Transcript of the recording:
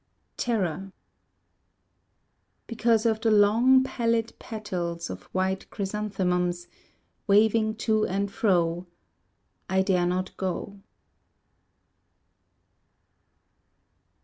Terror Because of the long pallid petals of white chrysanthemums Waving to and fro, I dare not go.